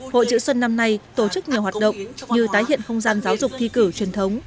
hội chữ xuân năm nay tổ chức nhiều hoạt động như tái hiện không gian giáo dục thi cử truyền thống